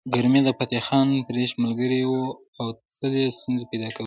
کرمي د فتح خان بړيڅ ملګری و او تل یې ستونزې پيدا کولې